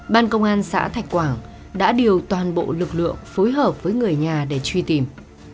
ban công an xã thạch quảng đã điều toàn bộ lực lượng phối hợp với người nhà để truy tìm